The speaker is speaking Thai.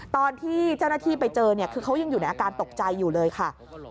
ตอนที่เจ้าหน้าที่ไปเจอเนี่ยคือเขายังอยู่ในอาการตกใจอยู่เลยค่ะ